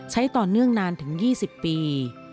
ใช้ต่อเนื่องนานถึง๒๐ปี